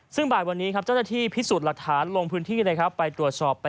ซึ่งบ่ายวันนี้ครับเจ้าหน้าที่พิสูจน์หลักฐานลงพื้นที่ไปตรวจสอบ